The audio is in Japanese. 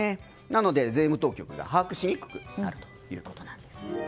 なので、税務当局が把握しにくくなるということなんです。